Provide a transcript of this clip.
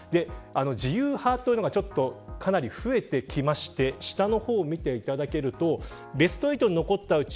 自由派というのがかなり増えてきまして下の方を見ていただくとベスト８に残ったうち